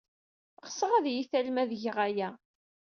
Ɣseɣ ad iyi-tallem ad geɣ aya.